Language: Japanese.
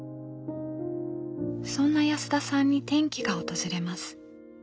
そんな安田さんに転機が訪れます。